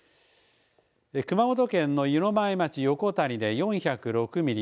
熊本県の湯前町横谷で４０６ミリ